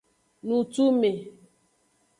Nutume.